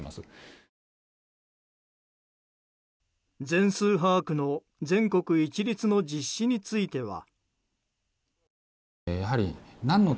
全数把握の全国一律の実施については。